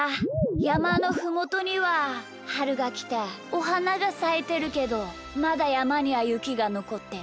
やまのふもとにははるがきておはながさいてるけどまだやまにはゆきがのこってる。